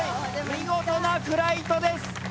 見事なフライトです。